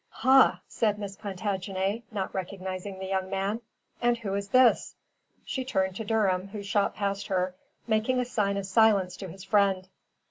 "Ha!" said Miss Plantagenet, not recognizing the young man, "and who is this?" She turned to Durham, who shot past her, making a sign of silence to his friend.